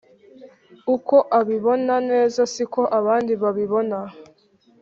uko abibona neza siko abandi babibona